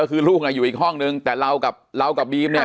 ก็คือลูกอยู่อีกห้องนึงแต่เรากับเรากับบีมเนี่ย